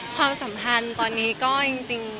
ความสัมพันธ์ตอนนี้ก็จริง